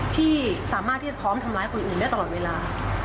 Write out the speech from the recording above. ที่สามารถที่จะพร้อมทำร้ายคนอื่นได้ตลอดเวลา